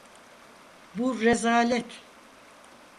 Bu rezalet.